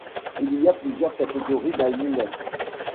Il y a plusieurs catégorie d'amulettes.